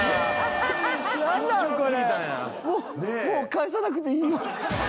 「もう返さなくていいよ」